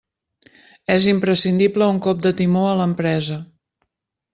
És imprescindible un cop de timó a l'empresa.